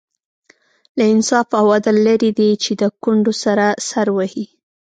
له انصاف او عدل لرې دی چې د کونډو سر سر وهي.